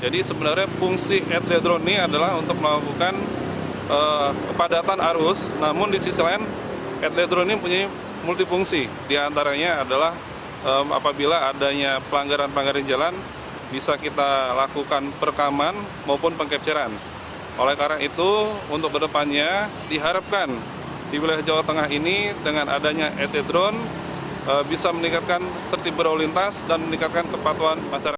dengan adanya etledron bisa meningkatkan tertibur lintas dan meningkatkan kepatuhan masyarakat